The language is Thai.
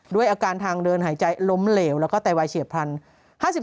ด้วยอาการทางเดินหายใจล้มเหลวแล้วก็ไตวายเฉียบพลัน